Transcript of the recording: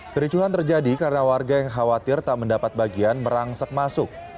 kericuhan terjadi karena warga yang khawatir tak mendapat bagian merangsak masuk